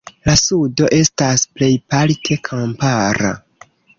La sudo estas plejparte kampara.